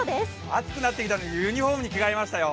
暑くなってきたので、ユニフォームに着替えましたよ。